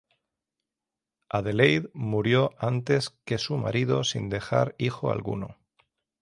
Adelheid murió antes que su marido sin dejar hijo alguno.